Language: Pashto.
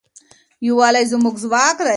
یووالی زموږ ځواک دی.